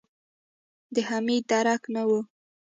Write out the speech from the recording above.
د حميد درک نه و.